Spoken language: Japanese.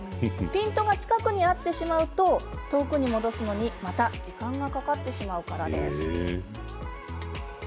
ピントが近くに合ってしまうと遠くに戻すのにまた時間がかかってしまうからです。